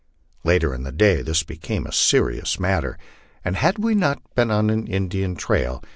Later in the day this became a serious matter, and had we not been on an Indian trail